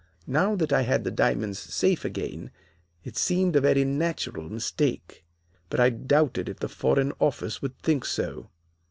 Now that I had the diamonds safe again, it seemed a very natural mistake. But I doubted if the Foreign Office would think so.